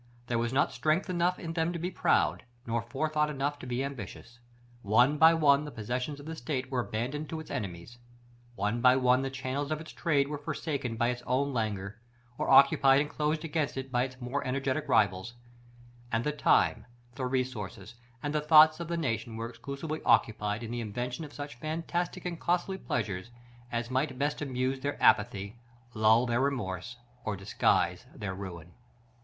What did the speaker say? There was not strength enough in them to be proud, nor forethought enough to be ambitious. One by one the possessions of the state were abandoned to its enemies; one by one the channels of its trade were forsaken by its own languor, or occupied and closed against it by its more energetic rivals; and the time, the resources, and the thoughts of the nation were exclusively occupied in the invention of such fantastic and costly pleasures as might best amuse their apathy, lull their remorse, or disguise their ruin.